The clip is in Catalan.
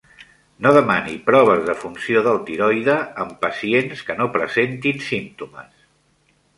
No demani proves de funció del tiroide en pacients que no presentin símptomes.